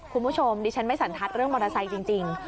คุณผู้ชมดิฉันไม่สันทัศน์เรื่องมอเตอร์ไซค์จริง